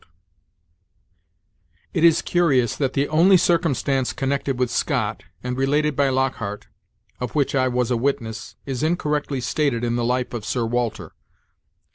"'It is curious that the only circumstance connected with Scott, and related by Lockhart, of which I was a witness, is incorrectly stated in the "Life of Sir Walter."'